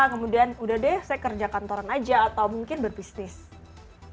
kemudian udah deh saya kerja kantoran aja atau mungkin berbisnis